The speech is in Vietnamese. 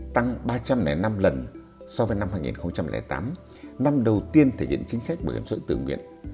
tăng ba trăm linh năm lần so với năm hai nghìn tám năm đầu tiên thể hiện chính sách bảo hiểm xã hội tự nguyện